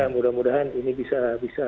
mudah mudahan ini bisa